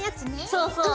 そうそう。